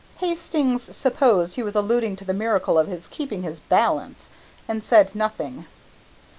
Hastings supposed he was alluding to the miracle of his keeping his balance, and said nothing.